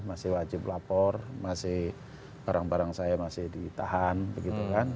masih wajib lapor masih barang barang saya masih ditahan begitu kan